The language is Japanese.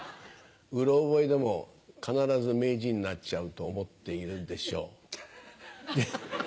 うろ覚えでも必ず名人になっちゃうと思っているんでしょう。